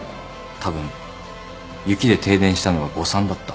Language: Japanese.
たぶん雪で停電したのは誤算だった。